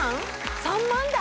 ３万台？